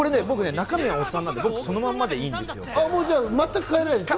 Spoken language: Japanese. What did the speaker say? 中身はおっさんなんで、僕そのままでいいんです。